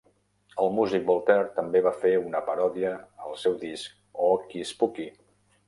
El músic Voltaire també va fer una paròdia al seu disc "Ooky Spooky".